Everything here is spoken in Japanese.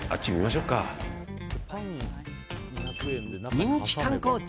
人気観光地